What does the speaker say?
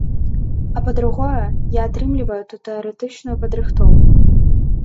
А па-другое, я атрымліваю тут тэарэтычную падрыхтоўку.